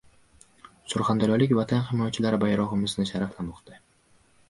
Surxondaryolik Vatan himoyachilari bayrog‘imizni sharaflamoqda